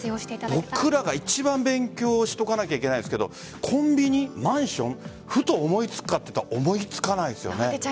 僕なんか一番勉強しておかなければいけないですがコンビニ、マンションふと思いつくかといったら思いつかないですよね。